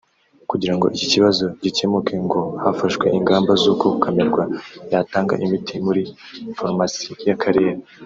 Kugira ngo iki kibazo gikemuke ngo hafashwe ingamba z’uko camerwa yatanga imiti muri farumasi y’akarere